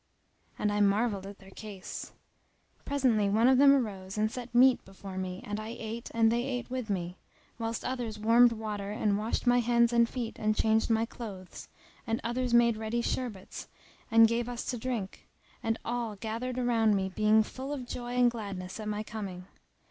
And I marvelled at their case. Presently one of them arose and set meat before me and I ate and they ate with me; whilst others warmed water and washed my hands and feet and changed my clothes and others made ready sherbets and gave us to drink; and all gathered around me being full of joy and gladness at my coming.